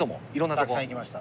たくさん行きました。